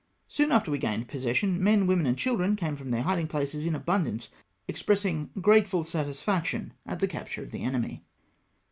Soon after we gained possession, men, women, and children came from their hiding places in abundance, expressing grateful satisfaction at the capture of the enemy.